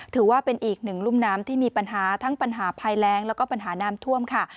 ถือว่าเป็นอีกหนึ่งรุ่มน้ำที่มีปัญหาทั้งปัญหาภัยแรงแล้วก็ปัญหาน้ำท่วมค่ะ